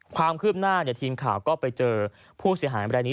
ความคืบหน้าทีมข่าวก็ไปเจอผู้เสียหายบรายนี้